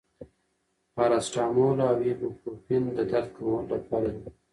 پاراسټامول او ایبوپروفین د درد کمولو لپاره دي.